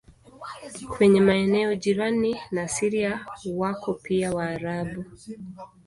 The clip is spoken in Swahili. Kwenye maeneo jirani na Syria wako pia Waarabu.